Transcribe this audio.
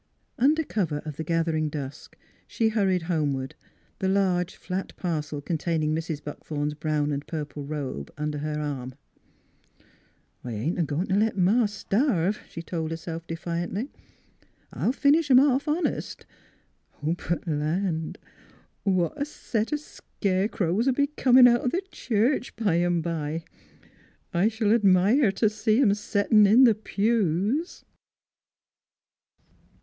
Under cover of the gathering dusk she hurried homeward, the large flat parcel containing Mrs. Buckthorn's brown and purple robe under her arm. NEIGHBORS 39 11 1 ain't a goin' t' let Ma starve," she told her self defiantly. "I'll finish 'em off honest. But land ! what a set o' scarecrows '11 be comin' out t' church bimeby. I sh'll admire t' see 'em settin' in th' pews."